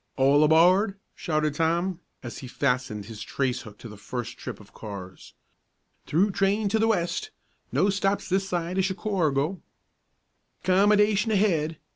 "All aboard!" shouted Tom, as he fastened his trace hook to the first trip of cars. "Through train to the West! No stops this side o' Chicorgo!" "'Commodation ahead!